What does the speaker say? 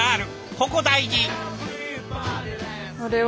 ここ大事！